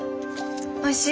おいしい？